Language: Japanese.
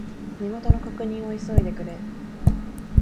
身元の確認を急いでくれ。